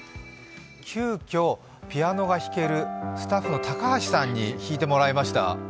急きょ、ピアノが弾けるスタッフの高橋さんに弾いてもらいました。